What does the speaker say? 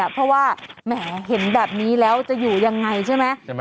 เพราะว่าแหมเห็นแบบนี้แล้วจะอยู่ยังไงใช่ไหม